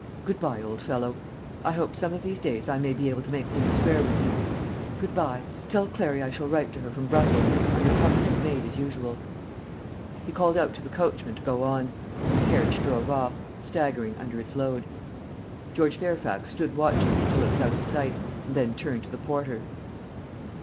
Good bye, old fellow. I hope some of these days I may be able to make things square with you. Good bye. Tell Clary I shall write to her from Brussels, under cover to the maid as usual." He called out to the coachman to go on; and the carriage drove off, staggering under its load. George Fairfax stood watching it till it was out of sight, and then turned to the porter.